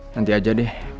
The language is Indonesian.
nanti aja deh